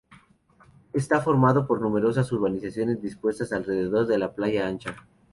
Está formado por numerosas urbanizaciones dispuestas alrededor de la playa Ancha.